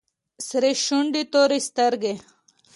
سرې شونډې تورې سترگې.